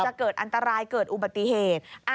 เกิดอันตรายเกิดอุบัติเหตุ